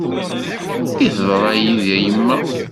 I teḍra yid-i a yemma.